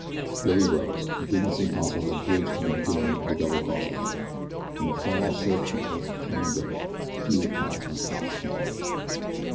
Billy rose. It didn't seem possible that Bridge could be going to double cross him. In a flannel shirt from earth's clean dirt, Here, pal, is my calloused hand!